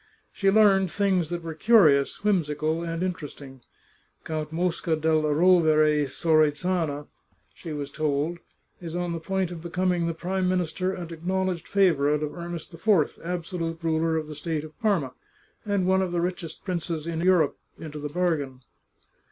She learned things that were curious, whimsical, and interesting. Count Mosca della Rovere Sorezana, she was told, is on the point of becoming the Prime Minister and acknowledged favour ite of Ernest IV, absolute ruler of the state of Parma, and one of the richest princes in Europe into the bargain.